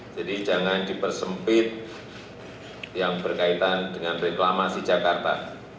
jadi jangan dipersempit yang berkaitan dengan reklamasi jakarta